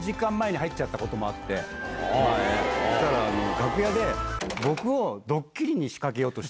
そしたら楽屋で。